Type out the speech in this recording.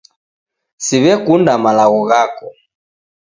Siw'ekuna malagho ghako.